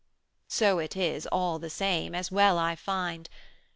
So it is, all the same, as well I find.